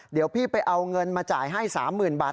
เดี๋ยวพี่ไปเอาเงินมาจ่ายให้๓๐๐๐บาท